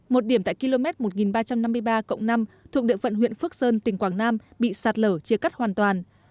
một điểm tại km một nghìn ba trăm năm mươi ba năm thuộc địa phận huyện phước sơn tỉnh quảng nam bị sạt lở chia cắt hoàn toàn